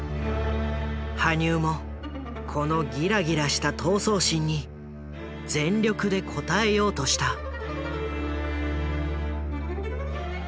羽生もこのギラギラした闘争心に全力で応えようとした。